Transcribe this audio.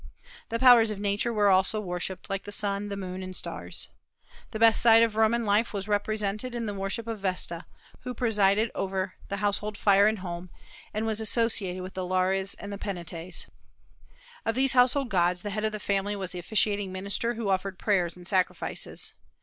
The powers of Nature were also worshipped, like the sun, the moon, and stars. The best side of Roman life was represented in the worship of Vesta, who presided over the household fire and home, and was associated with the Lares and Penates. Of these household gods the head of the family was the officiating minister who offered prayers and sacrifices.